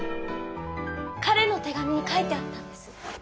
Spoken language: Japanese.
彼の手紙に書いてあったんです。